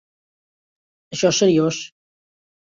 Això és seriós.